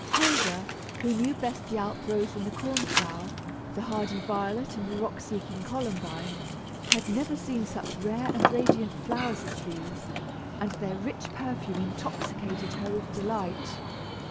Hilda, who knew best the alp rose and the corn flower, the hardy violet and the rock seeking columbine, had never seen such rare and radiant flowers as these, and their rich perfume intoxicated her with delight.